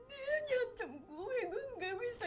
dia nyatam gue gue gak bisa gerak nih gue